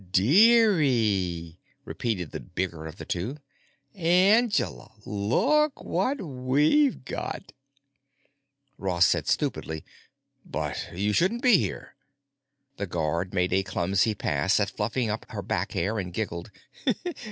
"Dearie!" repeated the bigger of the two. "Angela, look what we've got!" Ross said stupidly. "But you shouldn't be here——" The guard made a clumsy pass at fluffing up her back hair and giggled.